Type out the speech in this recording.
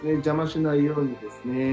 邪魔しないようにですね。